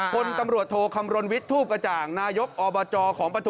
คนตำรวจโทคำรณวิทย์ทูปกระจ่างนายกอบจของปฐุม